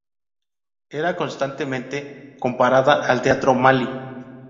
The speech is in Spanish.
Era constantemente comparada al Teatro Maly.